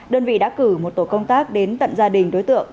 đơn vị đã cử một tổ công tác đến tận gia đình đối tượng